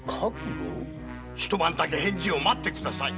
一晩だけ返事を待って下さい。